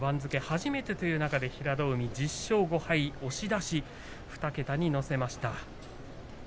初めてという中で平戸海１０勝５敗、２桁に乗せました。